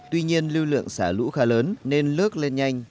tuy nhiên lưu lượng xả lũ khá lớn nên nước lên nhanh